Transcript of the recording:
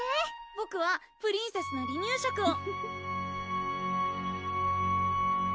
ボクはプリンセスの離乳食を！